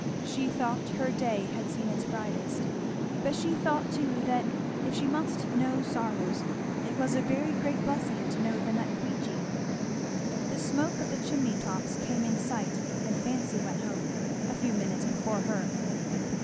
She thought her day had seen its brightest; but she thought too that if she must know sorrows it was a very great blessing to know them at Queechy. The smoke of the chimney tops came in sight, and fancy went home, a few minutes before her.